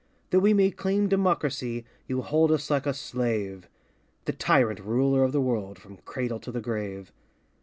Though we may claim democracy, You hold us like a slave. The tyrant ruler of the world, From cradle to the grave.